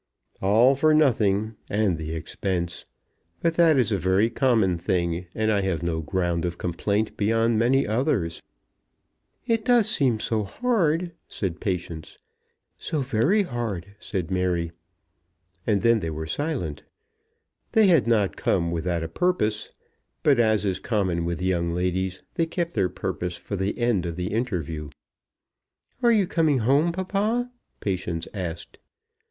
"All for nothing, and the expense. But that is a very common thing, and I have no ground of complaint beyond many others." "It does seem so hard," said Patience. "So very hard," said Mary. And then they were silent. They had not come without a purpose; but, as is common with young ladies, they kept their purpose for the end of the interview. "Are you coming home, papa?" Patience asked.